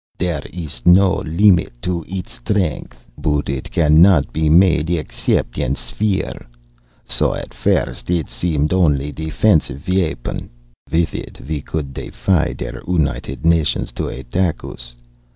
There is no limit to its strength! But it cannot be made except in a sphere, so at first it seemed only a defensif weapon. With it, we could defy der United Nations to attack us.